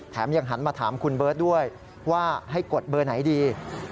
ยังหันมาถามคุณเบิร์ตด้วยว่าให้กดเบอร์ไหนดี